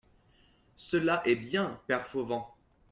Cela est bien, père Fauvent.